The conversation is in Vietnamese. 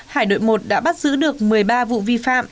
hải đội một đã bắt giữ được một mươi ba vụ vi phạm